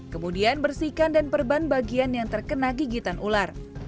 kemudian bersihkan dan perban bagian yang terkena gigitan ular